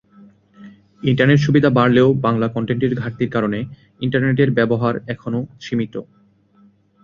Internet সুবিধা বাড়লেও বাংলা কনটেন্টের ঘাটতির কারণে ইন্টারনেটের ব্যবহার এখনও সীমীত।